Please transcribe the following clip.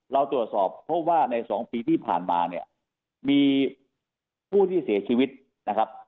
เราตรวจสอบเพราะว่าใน๒ปีที่ผ่านมาเนี่ยมีผู้ที่เสียชีวิตนะครับ